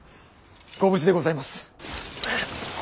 ご無事でございます。